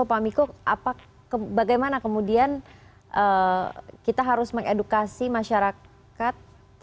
pak miko bagaimana kemudian kita harus mengedukasi masyarakat